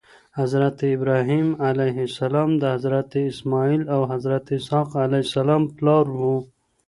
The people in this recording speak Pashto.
حضرت ابراهيم عليه السلام د حضرت اسماعيل او حضرت اسحاق عليه السلام پلار وو